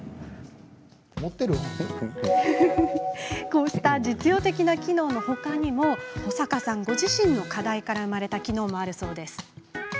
こうした実用的な機能のほかに保坂さんご自身の課題から生まれた機能もあるそうです。